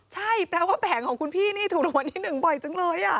ใช่แปลว่าแผงของคุณพี่นี่ถูกรางวัลที่๑บ่อยจังเลย